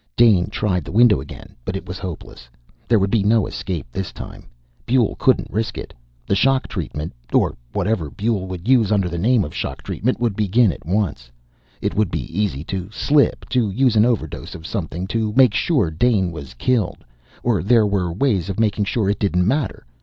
Dane tried the window again, but it was hopeless. There would be no escape this time. Buehl couldn't risk it. The shock treatment or whatever Buehl would use under the name of shock treatment would begin at once. It would be easy to slip, to use an overdose of something, to make sure Dane was killed. Or there were ways of making sure it didn't matter.